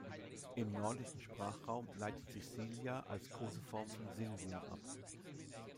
Im nordischen Sprachraum leitet sich Silja als Koseform von Silvia ab.